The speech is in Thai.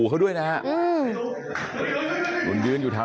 น้าสาวของน้าผู้ต้องหาเป็นยังไงไปดูนะครับ